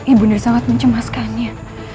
ibu nda sangat mencemaskannya